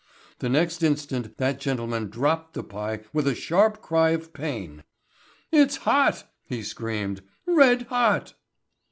The next instant that gentleman dropped the pie with a sharp cry of pain. "It's hot," he screamed, "red hot!"